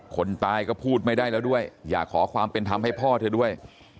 คนตายก็พูดไม่ได้แล้วด้วยอยากขอความเป็นธรรมให้พ่อเธอด้วย